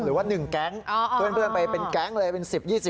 หรือว่า๑แก๊งเพื่อนไปเป็นแก๊งเลยเป็น๑๐๒๐